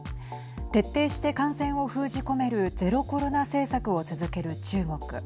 徹底して感染を封じ込めるゼロコロナ政策を続ける中国。